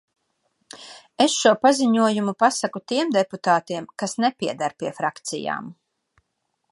Es šo paziņojumu pasaku tiem deputātiem, kas nepieder pie frakcijām.